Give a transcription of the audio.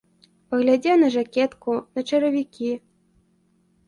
Паглядзеў на жакетку, на чаравікі.